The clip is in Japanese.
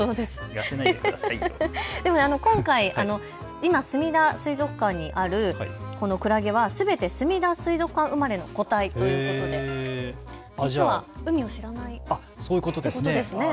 今、すみだ水族館にあるこのクラゲはすべてすみだ水族館生まれの個体ということで実は海を知らないんです。